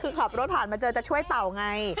คือขับรถผ่านมาเจอจะช่วยเต่าไง